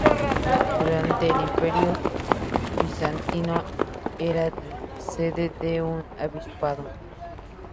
Durante el Imperio bizantino era sede de un obispado.